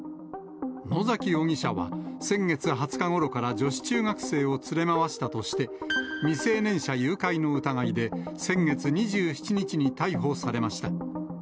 野崎容疑者は、先月２０日ごろから女子中学生を連れ回したとして、未成年者誘拐の疑いで、先月２７日に逮捕されました。